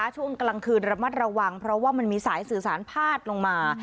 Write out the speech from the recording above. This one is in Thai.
ช่วงกลางคืนระมัดระวังเพราะว่ามันมีสายสื่อสารพาดลงมา